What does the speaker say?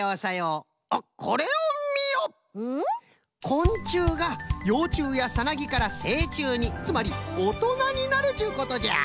こんちゅうがようちゅうやサナギからせいちゅうにつまりおとなになるっちゅうことじゃ。